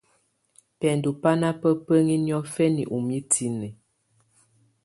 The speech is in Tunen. Bɛndɔ̀ bà nà baa bǝni niɔ̀fɛna ù mitini.